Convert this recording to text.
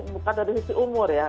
bukan dari sisi umur ya